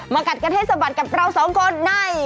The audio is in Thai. กัดกันให้สะบัดกับเราสองคนใน